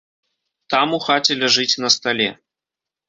Там, у хаце, ляжыць на стале.